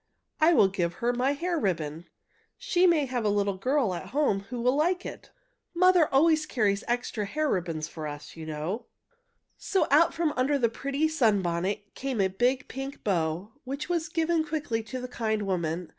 I will give her my hair ribbon. She may have a little girl at home who will like it. Mother always carries extra hair ribbons for us, you know." So, out from under the pretty sunbonnet came a big pink bow, which was given quickly to the kind woman.